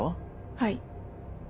はい。